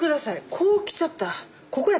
こう来ちゃった。